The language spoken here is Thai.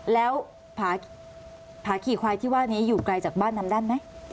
แล้วผาขี่ควายที่ว่านี้อยู่ไกลจากบ้านนำด้านไหม